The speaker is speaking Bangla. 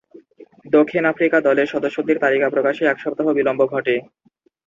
দক্ষিণ আফ্রিকা দলের সদস্যদের তালিকা প্রকাশে এক সপ্তাহ বিলম্ব ঘটে।